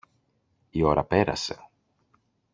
Η ώρα πέρασε.